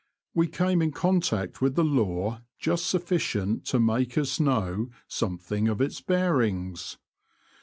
We came in contact with the law just sufficient to make us know something of its bearings.